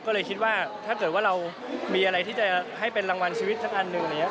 ก็เลยคิดว่าถ้าเกิดว่าเรามีอะไรที่จะให้เป็นรางวัลชีวิตสักอันหนึ่งอะไรอย่างนี้